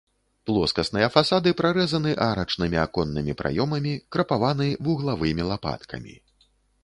Плоскасныя фасады прарэзаны арачнымі аконнымі праёмамі, крапаваны вуглавымі лапаткамі.